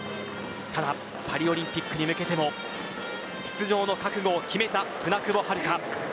ただパリオリンピックに向けても出場の覚悟を決めた舟久保遥香。